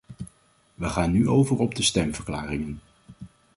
We gaan nu over op de stemverklaringen.